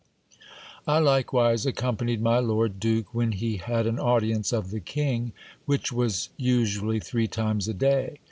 I likewise accompanied my lord duke when he had an audience of the king, which was usually three times a day.